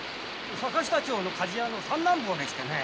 坂下町のかじ屋の三男坊でしてね。